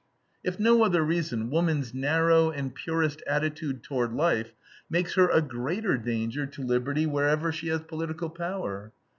If no other reason, woman's narrow and purist attitude toward life makes her a greater danger to liberty wherever she has political power.